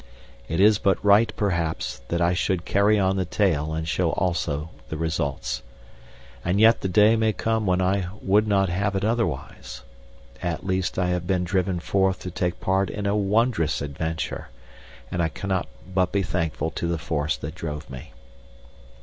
It is but right, perhaps, that I should carry on the tale and show also the results. And yet the day may come when I would not have it otherwise. At least I have been driven forth to take part in a wondrous adventure, and I cannot but be thankful to the force that drove me.